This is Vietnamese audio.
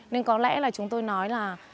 nên có lẽ là chúng tôi nói là